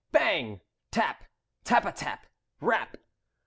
Bang! Tap! Tap a tap! Rap!